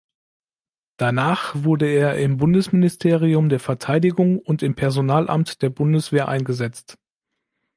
Danach wurde er im Bundesministerium der Verteidigung und im Personalamt der Bundeswehr eingesetzt.